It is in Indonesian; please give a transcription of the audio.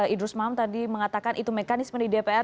idrus marham tadi mengatakan itu mekanisme di dpr